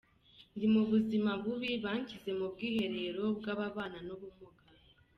Ndi mu buzima bubi, banshyize mu bwiherero bw’ababana n’ubumuga.